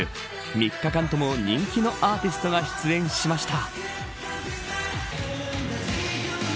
３日間とも人気のアーティストが出演しました。